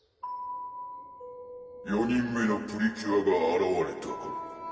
「４人目のプリキュアがあらわれたか」